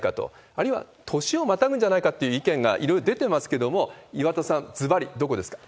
あるいは年をまたぐんじゃないかという意見がいろいろ出てますけれども、岩田さん、ずばりどこですか？